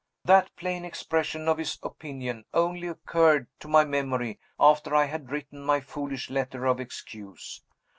That plain expression of his opinion only occurred to my memory after I had written my foolish letter of excuse.